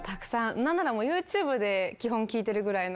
何ならもうＹｏｕＴｕｂｅで基本聴いてるぐらいの。